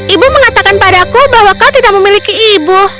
ibu mengatakan padaku bahwa kau tidak memiliki ibu